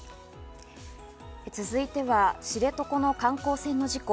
続いては知床の観光船の事故。